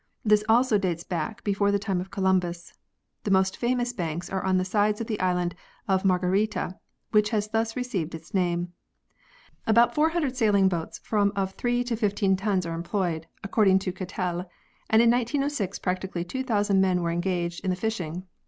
This also dates back before the time of Columbus. The most famous banks are on the sides of the island of Margarita which has thus received its name. About 400 sailing boats of from three to fifteen tons are employed (according to Cattelle), and in 1906 practically 2000 men were engaged in the fishing.